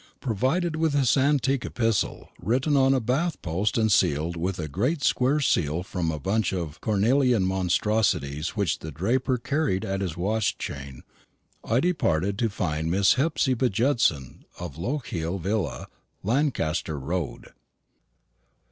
Provided with this antique epistle, written on Bath post and sealed with a great square seal from a bunch of cornelian monstrosities which the draper carried at his watch chain, I departed to find Miss Hephzibah Judson, of Lochiel Villa, Lancaster road.